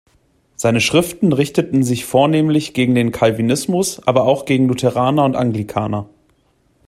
Seine Schriften richteten sich vornehmlich gegen den Calvinismus, aber auch gegen Lutheraner und Anglikaner.